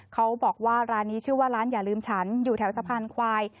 เขาบอกว่าร้านนี้ชื่อว่าร้านอย่าลืมฉันอยู่แถวสะพานควาย